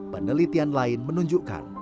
penelitian lain menunjukkan